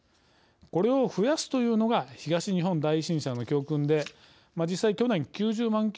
これを増やすというのが東日本大震災の教訓で実際去年９０万